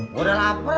gue udah lapar